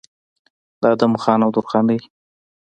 د ادم خان او درخانۍ